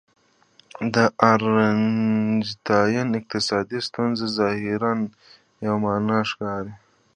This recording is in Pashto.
د ارجنټاین اقتصادي ستونزه ظاهراً یوه معما ښکاري.